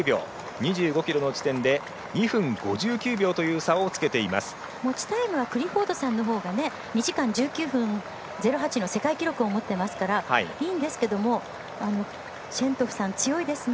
２５ｋｍの地点で２分５９秒持ちタイムはクリフォードさんのほうが２時間１３分の世界記録を持っていますからいいんですけどもシェントゥフさん強いですね。